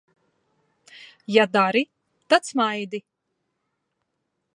Ja dari, tad smaidi!